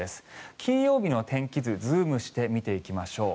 金曜日の天気図ズームして見ていきましょう。